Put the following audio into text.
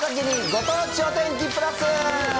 ご当地お天気プラス。